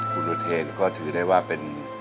คุณอุเทนก็ถือได้ว่าเป็น